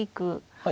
はい。